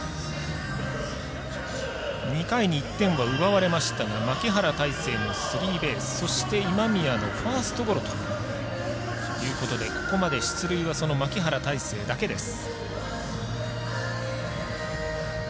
２回に１点を奪われましたが牧原大成のスリーベース、そして今宮のファーストゴロということでここまで出塁は牧原大成だけです。